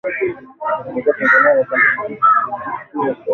Serikali ya Tanzania yapandisha kima cha chini cha mshahara wa wafanyakazi wake